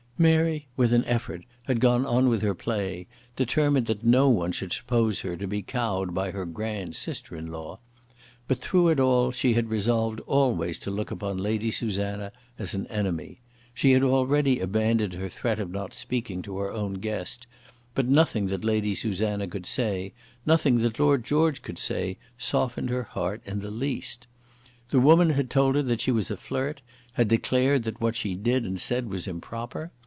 Mary, with an effort, had gone on with her play, determined that no one should suppose her to be cowed by her grand sister in law; but through it all she had resolved always to look upon Lady Susanna as an enemy. She had already abandoned her threat of not speaking to her own guest; but nothing that Lady Susanna could say, nothing that Lord George could say, softened her heart in the least. The woman had told her that she was a flirt, had declared that what she did and said was improper.